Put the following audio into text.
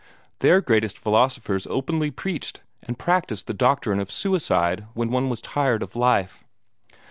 Their greatest philosophers openly preached and practised the doctrine of suicide when one was tired of life.